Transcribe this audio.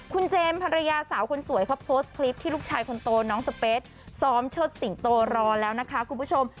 คุณเจมส์ภรรยาสาวคนสวยเขาโพสต์คลิปที่ลูกชายคนโตน้องสเปสซ้อมเชิดสิงโตรอแล้วนะคะคุณผู้ชม